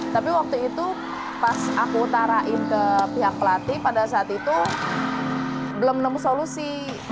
tapi waktu itu pas aku tarain ke pihak pelatih pada saat itu belum nemu solusi